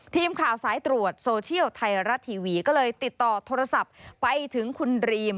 ทีมข่าวสายตรวจโซเชียลไทยรัฐทีวีก็เลยติดต่อโทรศัพท์ไปถึงคุณรีม